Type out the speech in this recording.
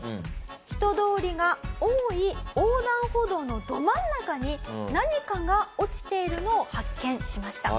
人通りが多い横断歩道のど真ん中に何かが落ちているのを発見しました。